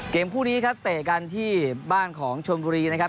เกมคู่นี้ครับเตะกันที่บ้านของชนบุรีนะครับ